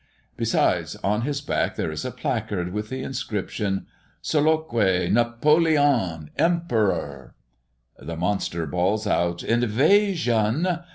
Besides, on his back there is a placard, with the inscription: "Solouque NAPOLEON EMPEROR"!! The monster bawls out "INVASION!"